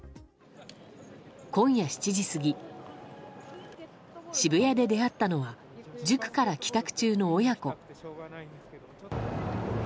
今夜７時過ぎ渋谷で出会ったのは塾から帰宅中の親子。